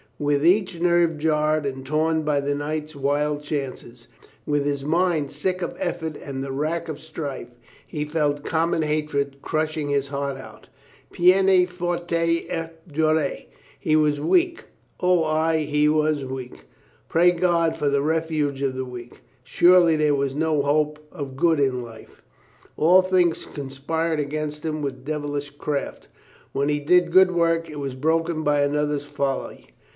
With each nerve jarred and torn by the night's wild chances, with his mind sick of effort and the rack of strife, he felt common hatred crushing his heart out, peine forte et dure. He was weak, O ay, he was weak. Pray God for the refuge of the weak. Surely there was no hope of good in life. i^U things conspired against him with devilish craft. When he did good work, it was broken by another's folly.